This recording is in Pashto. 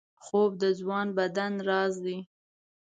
خوب د ځوان بدن راز دی